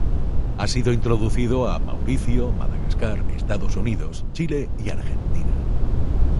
Ha sido introducido a Mauricio, Madagascar, Estados Unidos, Chile y Argentina.